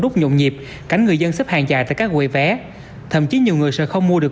lúc nhộn nhịp cảnh người dân xếp hàng dài tại các quầy vé thậm chí nhiều người sẽ không mua được